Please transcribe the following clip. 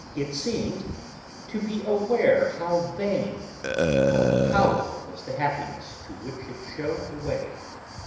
It seemed to be aware how vain, how hollow was the happiness to which it shewed the way.